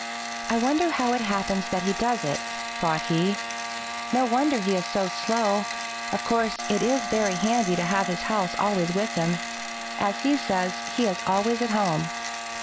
"I wonder how it happens that he does it," thought he. "No wonder he is so slow. Of course, it is very handy to have his house always with him. As he says, he is always at home.